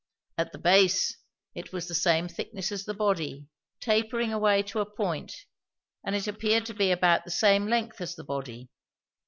At the base it was the same thickness as the body, tapering away to a point, and it appeared to be about the same length as the body.